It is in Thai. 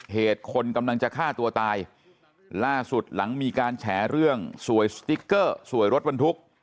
เหตุคนกำลังจะฆ่าตัวตายล่าสุดหลังมีการแฉเรื่องสวยสติ๊กเกอร์สวยรถบรรทุก